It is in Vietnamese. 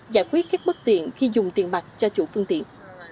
giải quyết các bất tiện khi dùng tiền mặt cho chủ phương tiện